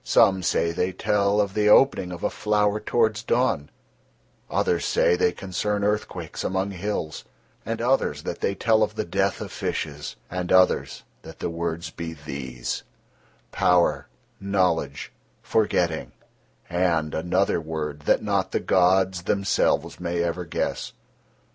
Some say they tell of the opening of a flower towards dawn, and others say they concern earthquakes among hills, and others that they tell of the death of fishes, and others that the words be these: Power, Knowledge, Forgetting, and another word that not the gods themselves may ever guess.